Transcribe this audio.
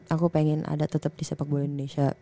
aku pengen ada tetap di sepak bola indonesia